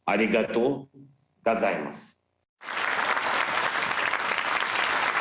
ありがとうございます。